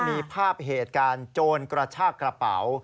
มีภาพเหตุการณ์โจรกระชากระเป๋า